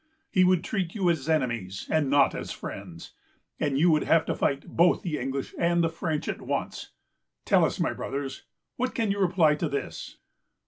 He would treat you as enemies, and not as friends, and you would have to fight both English and French at once. Tell us, my brothers, what can you reply to this?"